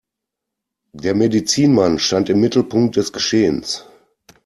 Der Medizinmann stand im Mittelpunkt des Geschehens.